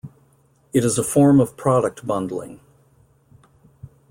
It is a form of product bundling.